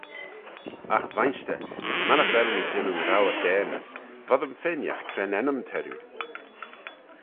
Agh vainshter, mannagh vel mee jannoo rour daanys, voddym fenagh cre'n ennym t'erriu?